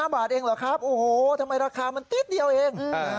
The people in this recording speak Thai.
บาทเองเหรอครับโอ้โหทำไมราคามันนิดเดียวเอง